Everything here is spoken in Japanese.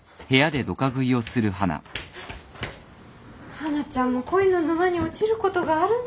華ちゃんも恋の沼に落ちることがあるんだね。